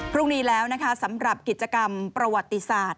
พรุ่งนี้แล้วนะคะสำหรับกิจกรรมประวัติศาสตร์